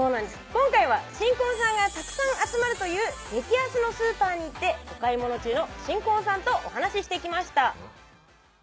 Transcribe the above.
今回は新婚さんがたくさん集まるという激安のスーパーに行ってお買い物中の新婚さんとお話ししてきました